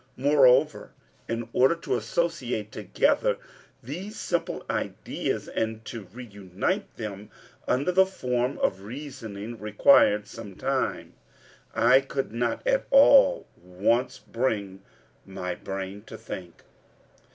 Moreover in order to associate together these simple ideas and to reunite them under the form of reasoning, required some time. I could not all at once bring my brain to think.